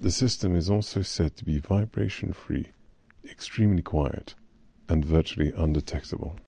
The system is also said to be vibration-free, extremely quiet and virtually undetectable.